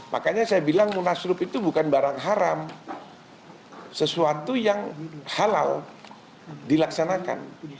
makanya saya bilang munaslup itu bukan barang haram sesuatu yang halal dilaksanakan